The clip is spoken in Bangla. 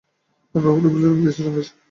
এরপর বর্ণমেলায় রং দিয়ে রাঙিয়েছে।